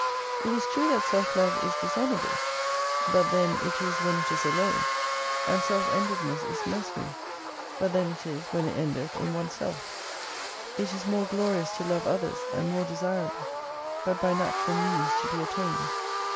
It is true that self love is dishonourable, but then it is when it is alone. And self endedness is mercenary, but then it is when it endetli in oneself. It is more glorious to love others, and more desirable, but by natural means to be attained.